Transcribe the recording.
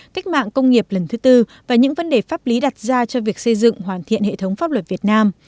cách mạng công nghiệp lần thứ tư và những vấn đề pháp lý đặt ra cho việc xây dựng hoàn thiện hệ thống pháp luật việt nam